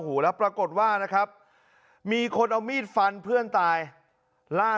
หูแล้วปรากฏว่านะครับมีคนเอามีดฟันเพื่อนตายล่า